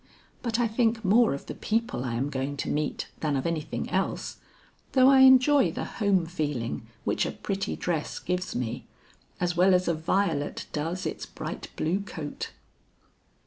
But I think more of the people I am going to meet than of anything else, though I enjoy the home feeling which a pretty dress gives me, as well as a violet does its bright blue coat."